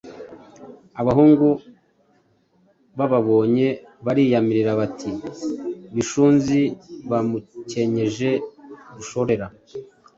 Abahungu bababonye bariyamira, bati: “Bishunzi bamukenyeje Rushorera!”